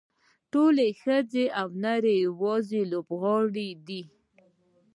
ټولې ښځې او نارینه یوازې لوبغاړي دي.